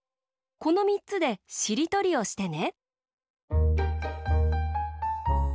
このよっつでしりとりをしてね。